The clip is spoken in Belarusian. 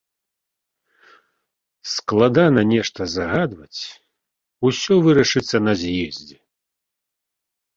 Складана нешта загадваць, усё вырашыцца на з'ездзе.